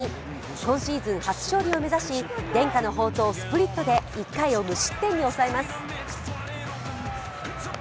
その期待に応えたい大谷今シーズン初勝利を目指し伝家の宝刀スプリットで１回を無失点に抑えます。